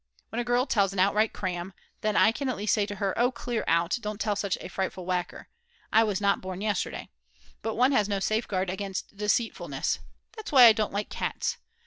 When a girl tells an outright cram, then I can at least say to her: Oh, clear out, don't tell such a frightful whacker; I was not born yesterday. But one has no safeguard against deceitfulness. That's why I don't like cats.